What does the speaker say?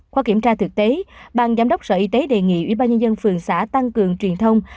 qua kiểm tra thực tế bàn giám đốc sở y tế đề nghị ubnd phường xã tăng cường truyền thông